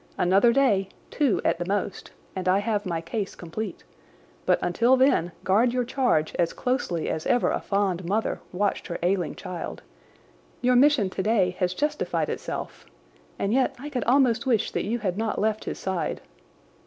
Another day—two at the most—and I have my case complete, but until then guard your charge as closely as ever a fond mother watched her ailing child. Your mission today has justified itself, and yet I could almost wish that you had not left his side.